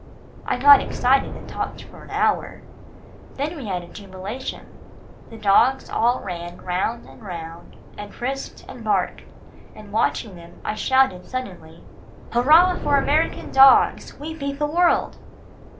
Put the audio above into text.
I got excited, and talked for an hour. Then we had a jubilation. The dogs all ran round and round, and frisked and barked, and watching them, I shouted suddenly, "Hurrah for American dogs we beat the world!"